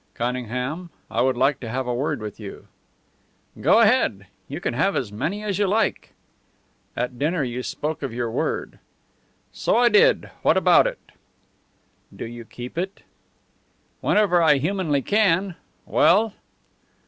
"Cunningham, I would like to have a word with you." "Go ahead. You can have as many as you like." "At dinner you spoke of your word." "So I did. What about it?" "Do you keep it?" "Whenever I humanly can. Well?"